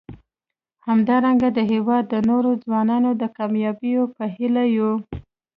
همدارنګه د هیواد د نورو ځوانانو د کامیابیو په هیله یو.